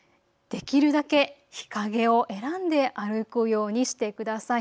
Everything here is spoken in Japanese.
できるだけ日陰を選んで歩くようにしてください。